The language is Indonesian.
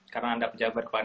karena anda pejabat pada